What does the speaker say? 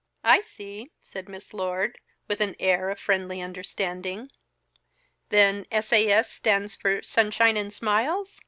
"I see!" said Miss Lord, with an air of friendly understanding. "Then S. A. S. stands for 'Sunshine and Smiles?'"